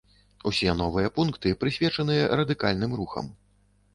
Усе новыя пункты прысвечаныя радыкальным рухам.